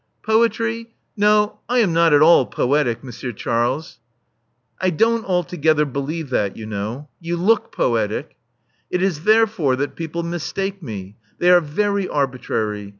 Poetry! No, I am not at all poetic, Monsieur Charles." I don't altogether believe that, you know. You look poetic." "It is therefore that people mistake me. They are very arbitrary.